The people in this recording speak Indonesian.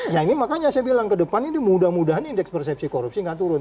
ya ini makanya saya bilang ke depan ini mudah mudahan indeks persepsi korupsi nggak turun